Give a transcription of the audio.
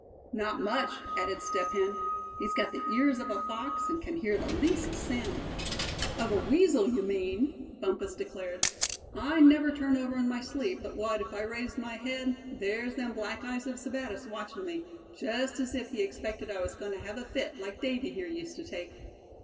"Not much," added Step Hen. "He's got the ears of a fox, and can hear the least sound." "Of a weasel, you mean," Bumpus declared. "I never turn over in my sleep but what, if I raise my head, there's them black eyes of Sebattis awatchin' me, just as if he expected I was goin' to have a fit, like Davy here used to take."